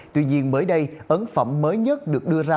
tuy nhiên mới đây ấn phẩm mới nhất được đưa ra